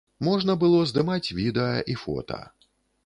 Можна было здымаць відэа і фота.